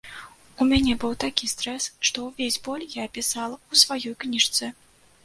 У мяне быў такі стрэс, што ўвесь боль я апісала ў сваёй кніжцы.